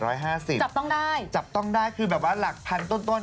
จับต้องได้จับต้องได้คือแบบว่าหลักพันต้น